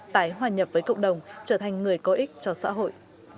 tái hòa nhập với cộng đồng trở thành người có ích cho xã hội